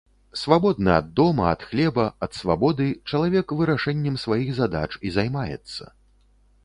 Свабодны ад дома, ад хлеба, ад свабоды чалавек вырашэннем сваіх задач і займаецца.